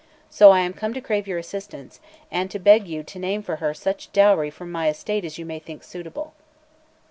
So I am come to crave your assistance, and to beg you to name for her such dowry from my estate as you may think suitable."